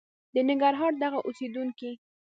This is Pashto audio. د ننګرهار دغه اوسېدونکي